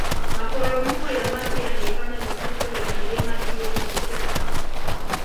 maporomoko ya maji yanaifanya misitu ya milima hiyo kuvutia sana